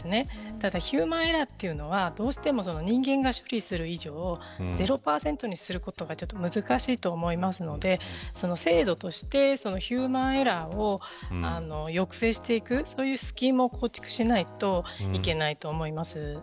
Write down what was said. ただヒューマンエラーというのはどうしても人間が処理する以上は０％にすることは難しいと思うので制度としてヒューマンエラーを抑制していくそういうスキームを構築しないといけないと思います。